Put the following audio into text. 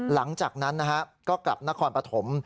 หลังจากนั้นนะฮะก็กลับนครปฐม